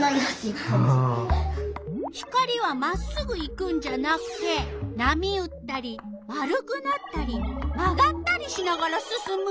光はまっすぐ行くんじゃなくてなみうったり丸くなったりまがったりしながらすすむ！？